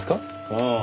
ああ。